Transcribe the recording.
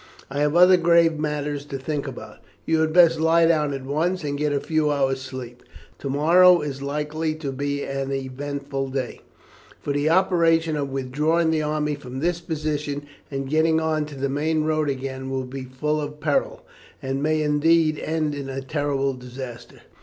"I have other grave matters to think about. You had best lie down at once, and get a few hours' sleep. To morrow is likely to be an eventful day, for the operation of withdrawing the army from this position and getting on to the main road again will be full of peril, and may indeed end in a terrible disaster."